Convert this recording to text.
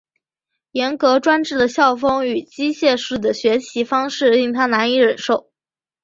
严格专制的校风与机械式的学习方式令他难以忍受。